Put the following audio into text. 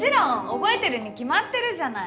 覚えてるに決まってるじゃない。